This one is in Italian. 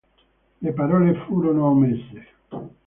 Le parole furono omesse.